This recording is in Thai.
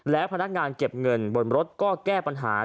และพนักงานเก็บเงินบนรถก็แก้ปัญหา